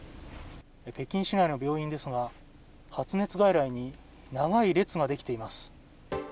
北京市内の病院ですが発熱外来に長い列ができています。